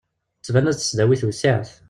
Tettban-as-d tesdawit wessiɛet.